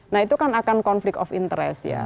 nah itu kan akan konflik of interest ya